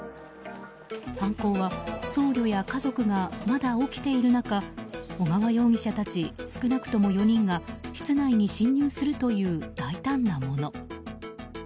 犯行は僧侶や家族がまだ起きている中小川容疑者たち少なくとも４人が室内に侵入するという大胆なもの。